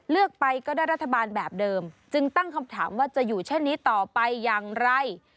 เลือกไปก็ได้รัฐบาลแบบเดิมจึงตั้งคำถามว่าจะอยู่เช่นนี้ต่อไปอย่างไร